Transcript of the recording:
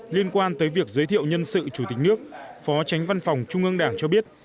liên quan tới việc giới thiệu nhân sự chủ tịch nước phó tránh văn phòng trung ương đảng cho biết